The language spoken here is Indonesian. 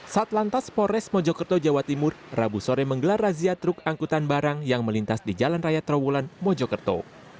saat lantas polres mojokerto jawa timur rabu sore menggelar razia truk angkutan barang yang melintas di jalan raya trawulan mojokerto